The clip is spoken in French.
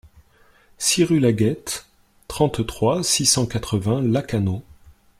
six rue Lagueyte, trente-trois, six cent quatre-vingts, Lacanau